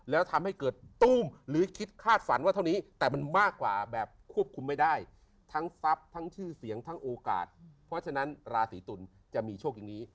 แล้วทำให้เกิดตู้มหรือคิดคาดฝันว่าเท่านี้แต่มันมากกว่าแบบควบคุมไม่ได้ทั้งทรัพย์ทั้งชื่อเสียงทั้งโอกาสเพราะฉะนั้นราศีตุลจะมีโชคอย่างนี้